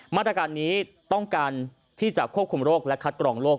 มาตรการนี้ต้องการที่จะควบคุมโรคและคัดกรองโรค